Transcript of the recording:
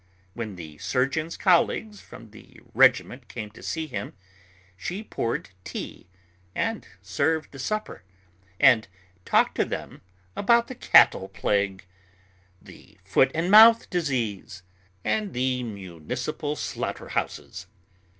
When the surgeon's colleagues from the regiment came to see him, she poured tea, and served the supper, and talked to them about the cattle plague, the foot and mouth disease, and the municipal slaughter houses.